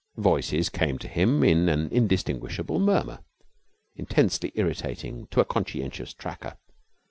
Voices came to him in an indistinguishable murmur, intensely irritating to a conscientious tracker.